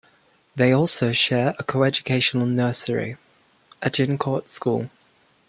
They also share a coeducational nursery, Agincourt School.